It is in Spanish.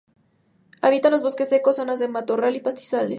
Habita en bosques secos, zonas de matorral y pastizales.